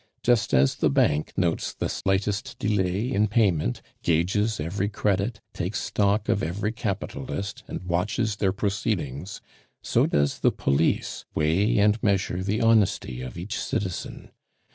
Just as the Bank notes the slightest delay in payment, gauges every credit, takes stock of every capitalist, and watches their proceedings, so does the police weigh and measure the honesty of each citizen.